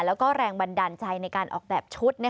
แล้วก็แรงบันดาลใจในการออกแบบชุด